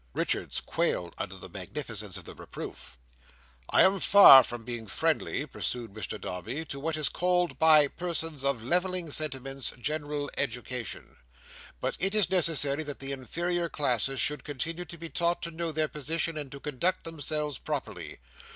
Richards quailed under the magnificence of the reproof. "I am far from being friendly," pursued Mr Dombey, "to what is called by persons of levelling sentiments, general education. But it is necessary that the inferior classes should continue to be taught to know their position, and to conduct themselves properly.